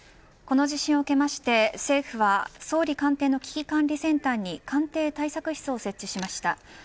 この地震を受けて政府は総理官邸の危機管理センターに官邸対策室を設置しました。